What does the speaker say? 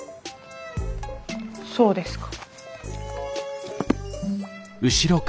そうですか。